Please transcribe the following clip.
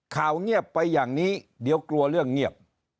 ข่าวเงียบไปอย่างนี้เดี๋ยวกลัวเรื่องเงียบ